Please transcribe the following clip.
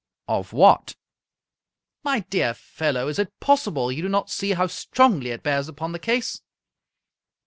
"Of what?" " My dear fellow, is it possible you do not see how strongly it bears upon the case